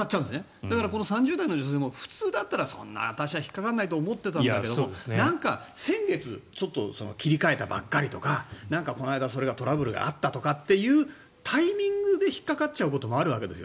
だから３０代の女性も普通だったら引っかからないと思っていたんだけどもなんか、先月ちょっと切り替えタイミングとかこの間、それがトラブルがあったとかというタイミングで引っかかっちゃうこともあるわけですよ。